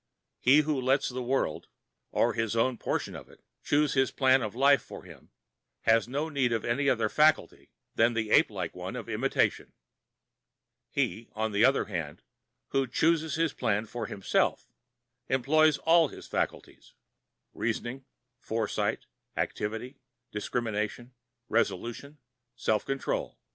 He who lets the world, or his own portion of it, choose his plan of life for him has no need of any other faculty than the ape like one of imitation. He, on the other hand, who chooses his plan for himself, employs all his faculties—reasoning, foresight, activity, discrimination, resolution, self control.